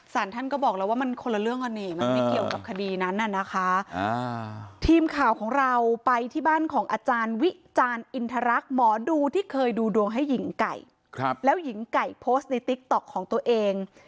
สารท่านก็บอกแล้วว่ามันคนละเรื่องกันนี่มันไม่เกี่ยวกับคดีนั้นน่ะนะคะทีมข่าวของเราไปที่บ้านของอาจารย์วิจารณ์อินทรรักษ์หมอดูที่เคยดูดวงให้หญิงไก่แล้วหญิงไก่โพสต์ในติ๊กต๊อกของตัวเอง